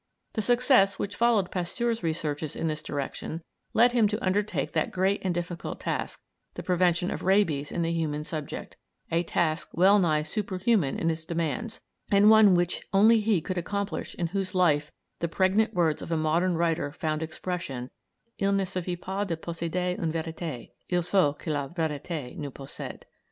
The success which followed Pasteur's researches in this direction led him to undertake that great and difficult task, the prevention of rabies in the human subject a task well nigh superhuman in its demands, and one which only he could accomplish in whose life the pregnant words of a modern writer found expression "il ne suffit pas de posséder une vérité, il faut que la vérité nous possède."